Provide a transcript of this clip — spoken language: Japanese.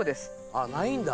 あっないんだ。